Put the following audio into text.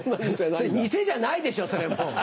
店じゃないでしょそれもう。